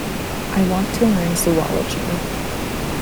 I want to learn Zoology.